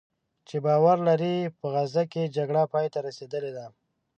چې باور لري "په غزه کې جګړه پایته رسېدلې ده"